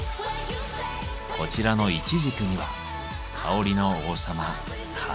こちらのイチジクには香りの王様カルダモンが。